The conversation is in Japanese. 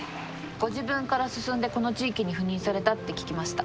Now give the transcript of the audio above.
ご自分から進んでこの地域に赴任されたって聞きました。